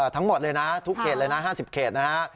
ทั้งหมดเลยนะทุกเขตเลยนะ๕๐เขตนะฮะ